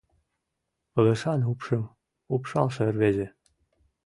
ПЫЛЫШАН УПШЫМ УПШАЛШЕ РВЕЗЕ